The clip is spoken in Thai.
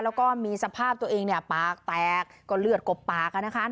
แล้วก็มีสภาพตัวเองเนี่ยปากแตกก็เลือดกบปากนะคะ